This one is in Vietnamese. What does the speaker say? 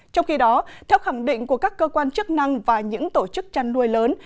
trong khi đó theo khẳng định của các cơ quan chức năng và những tổ chức chăn nuôi lớn